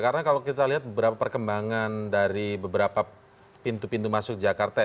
karena kalau kita lihat beberapa perkembangan dari beberapa pintu pintu masuk jakarta